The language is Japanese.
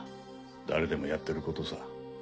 誰でもやってることさ。